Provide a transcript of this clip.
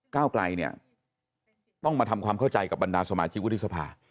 ก้าวไกลเนี่ยต้องมาทำความเข้าใจกับบรรดาสมาชิกวุฒิสภา